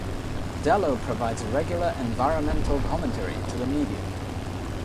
Dello provides regular environmental commentary to the media.